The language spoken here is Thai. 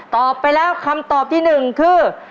ตอบไปแล้วคำตอบที่หนึ่งคือ